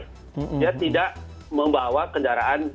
dia tidak membawa kendaraan